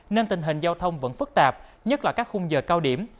nên tình hình giao thông vẫn phức tạp nhất là các khung giờ cao điểm